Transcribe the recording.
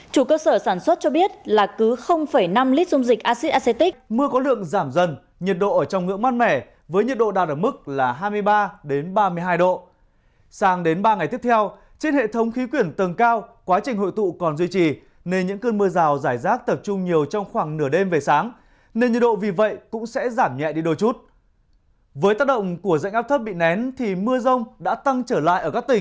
chủ cơ sở sản xuất cho biết là cứ năm lít giấm dịch axit acetic